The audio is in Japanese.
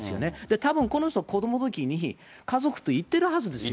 たぶんこの人、子どものときに家族と行ってるはずですよ。